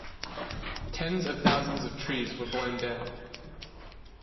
Tens of thousands of trees were blown down.